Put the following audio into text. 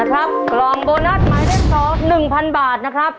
กล่องโบนัสหมายเลข๒หนึ่งพันบาทนะครับ